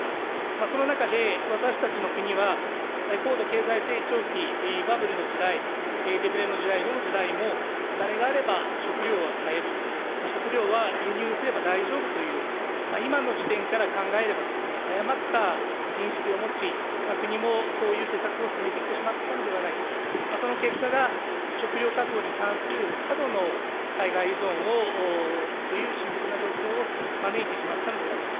その中で、私たちの国は高度経済成長期、バブルの時代、デフレの時代、どの時代もお金があれば食料は買える、食料は輸入すれば大丈夫という、今の時点から考えれば、誤った認識を持ち、国もそういう施策を進めてきてしまったのではないか、その結果が食料確保に関する過度の海外依存という深刻な状況を招いてしまったのではないか。